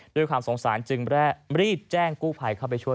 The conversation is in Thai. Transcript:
ด้วยความสงสารจึงรีบแจ้งกู้ภัยเข้าไปช่วย